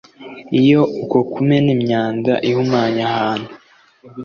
Iyo uko kumena imyanda ihumanya ahantu